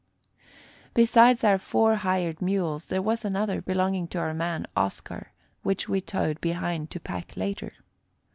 Besides our four hired mules there was another, belonging to our man, Oscar, which we towed behind to pack later.